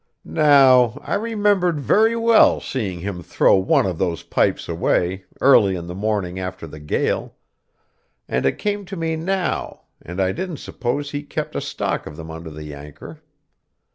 Now, I remembered very well seeing him throw one of those pipes away, early in the morning after the gale; and it came to me now, and I didn't suppose he kept a stock of them under the anchor.